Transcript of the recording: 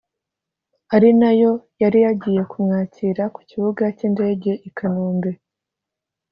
ari nayo yari yagiye kumwakira ku kibuga cy’indege i Kanombe